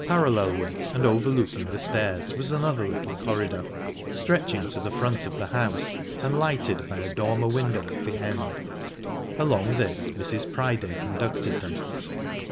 Parallel with and overlooking the stairs was another little corridor, stretching to the front of the house and lighted by a dormer window at the end. Along this Mrs. Priday conducted them.